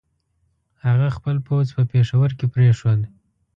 هغه خپل پوځ په پېښور کې پرېښود.